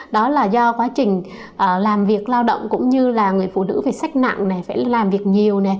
đó là do quá trình làm việc lao động cũng như là người phụ nữ phải sách nặng phải làm việc nhiều